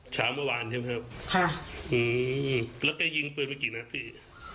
เช้าเมื่อวานใช่ไหมครับค่ะอืมแล้วก็ยิงเปิดเมื่อกี้นาที